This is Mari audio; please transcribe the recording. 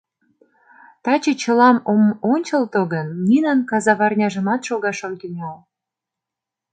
Таче чылам ом ончылто гын, Нинан казаварняжымат шогаш ом тӱҥал.